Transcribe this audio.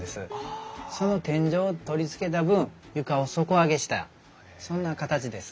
その天井を取り付けた分床を底上げしたそんな形ですね。